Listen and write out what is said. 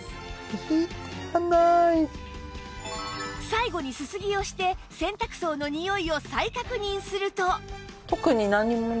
最後にすすぎをして洗濯槽のにおいを再確認すると